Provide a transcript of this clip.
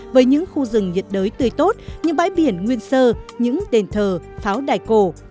với những khu rừng nhiệt đới tươi tốt những bãi biển nguyên sơ những đền thờ pháo đại cổ